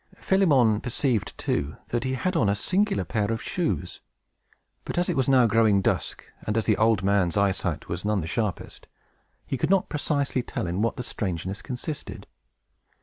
Philemon perceived, too, that he had on a singular pair of shoes; but, as it was now growing dusk, and as the old man's eyesight was none the sharpest, he could not precisely tell in what the strangeness consisted.